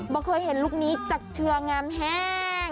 บอกเคยเห็นลูกนี้จากเชืองามแห้ง